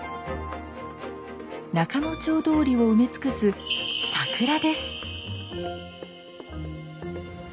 仲之町通りを埋め尽くす桜です。